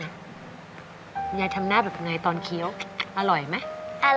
ยายทำหน้าแบบไงตอนเคี้ยวอร่อยไหม